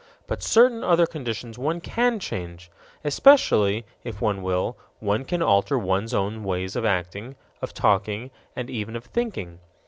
But certain other conditions one can change. Especially, if one will, one can alter one's own ways of acting, of talking, and even of thinking.